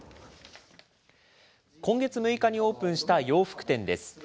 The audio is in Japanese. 今月６日にオープンした洋服店です。